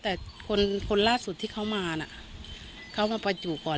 แต่คนคนล่าสุดที่เขามาน่ะเขามาประจุก่อน